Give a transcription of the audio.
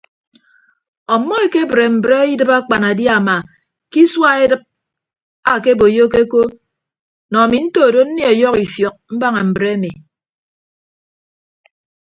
Ọmmọ ekebre mbre idịb akpanadiama ke isua edịp ake boyokeko nọ ami ntodo nnie ọyọhọ ifiọk mbaña mbre emi.